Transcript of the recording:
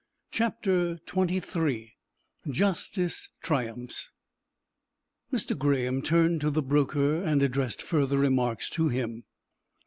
CHAPTER XXIII JUSTICE TRIUMPHS Mr. Graham turned to the broker and addressed further remarks to him.